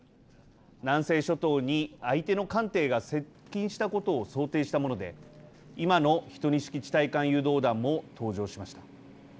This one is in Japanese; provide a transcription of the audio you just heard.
南西諸島に相手の艦艇が接近したことを想定したもので今の１２式地対艦誘導弾も登場しました。